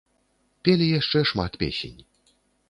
Пелі яшчэ шмат песень.